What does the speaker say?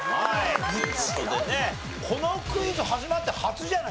という事でねこのクイズ始まって初じゃない？